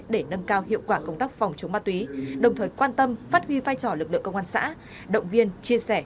để nâng cao hiệu quả công tác phòng chống ma túy đồng thời quan tâm phát huy vai trò lực lượng công an xã động viên chia sẻ